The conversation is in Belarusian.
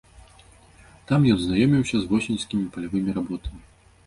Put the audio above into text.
Там ён знаёміўся з восеньскімі палявымі работамі.